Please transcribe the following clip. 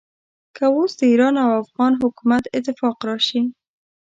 که اوس د ایران او افغان حکومت اتفاق راشي.